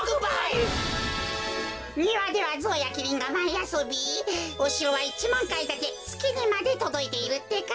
にわではゾウやキリンがまいあそびおしろは１まんかいだてつきにまでとどいているってか。